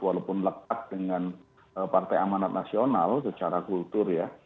walaupun lekat dengan partai amanat nasional secara kultur ya